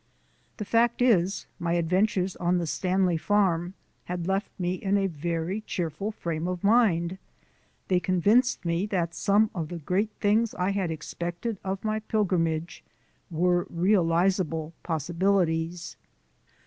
The fact is, my adventures on the Stanley farm had left me in a very cheerful frame of mind. They convinced me that some of the great things I had expected of my pilgrimage were realizable possibilities.